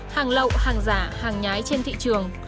hàng lậu hàng giả hàng nhái trên thị trường